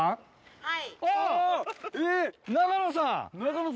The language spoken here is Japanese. はい。